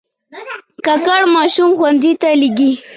کاکړ ماشومان ښوونځیو ته لېږي.